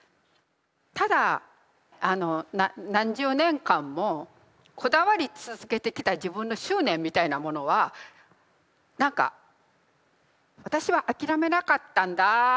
ただ何十年間もこだわり続けてきた自分の執念みたいなものは何か私は諦めなかったんだ